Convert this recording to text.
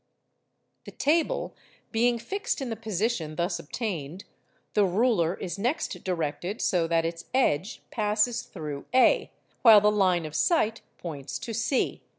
The table being fixed in the position thus obtained, the ruler is next directed so that its edge passes through A, while the line of sight points to C.